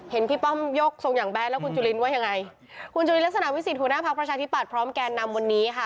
เห็นพี่ป้อมยกทรงอย่างแบดแล้วคุณจุลินว่ายังไงคุณจุลินลักษณะวิสิทธิหัวหน้าพักประชาธิบัตย์พร้อมแกนนำวันนี้ค่ะ